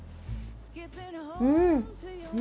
うん！